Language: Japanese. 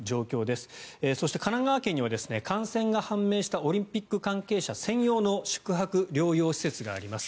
そして、神奈川県には感染が判明したオリンピック関係者専用の宿泊療養施設があります。